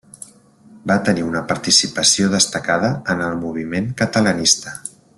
Va tenir una participació destacada en el moviment catalanista.